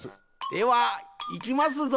ではいきますぞ。